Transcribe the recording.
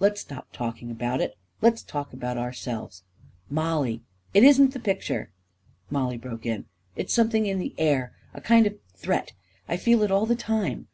Let's stop talking about it — let's talk about ourselves. Mollie ..."" It isn't the picture," Mollie broke in. r< It is something in the air — a kind of threat 1 I feel it all the time.